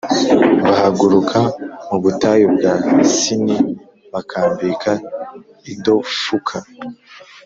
Bahaguruka mu butayu bwa Sini bakambika i Dofuka